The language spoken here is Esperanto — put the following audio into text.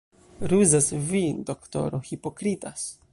Ruzas vi, doktoro, hipokritas.